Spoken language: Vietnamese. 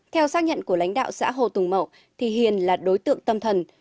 theo xác nhận của lãnh đạo xã hồ tùng mậu thì hiền là đối tượng tâm thần